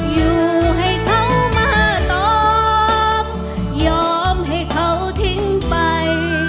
อยู่ให้เขามาตอบยอมให้เขาทิ้งไป